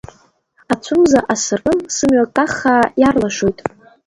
Ацәымза асыркын, сымҩа каххаа иарлашоит…